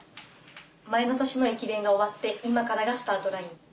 前の年の駅伝が終わって今からがスタートライン。